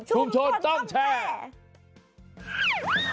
ชมชมแชร์